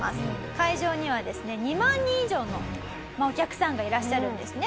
会場にはですね２万人以上のお客さんがいらっしゃるんですね。